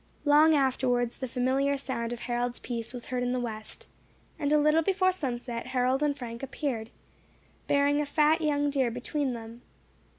Long afterwards the familiar sound of Harold's piece was heard in the west, and a little before sunset Harold and Frank appeared, bearing a fat young deer between them.